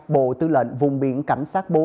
bộ tư lệnh vùng biển cảnh sát bốn